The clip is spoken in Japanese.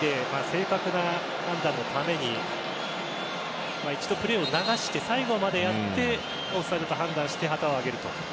正確な判断のために一度プレーを流して最後までやってオフサイドと判断して旗を上げると。